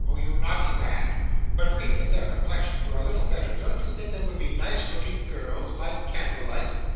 'Oh, you naughty man but really, if their complexions were a little better, don't you think they would be nice looking girls by candlelight?